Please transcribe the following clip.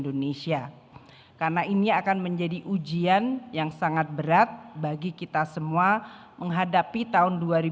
dengan tantangan yang sungguh tidak mudah